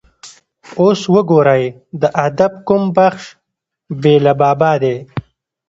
اوس وګورئ د ادب کوم بخش بې له بابا دی.